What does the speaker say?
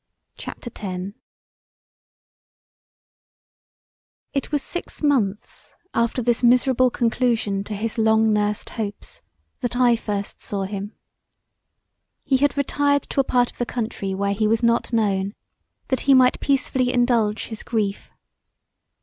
CHAPTER X It was six months after this miserable conclusion to his long nursed hopes that I first saw him. He had retired to a part of the country where he was not known that he might peacefully indulge his grief.